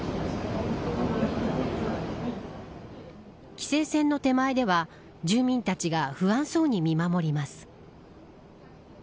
規制線の手前では住民たちが不安そうに見守ります。